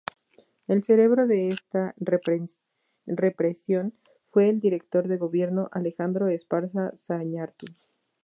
El cerebro de esta represión fue el director de gobierno, Alejandro Esparza Zañartu.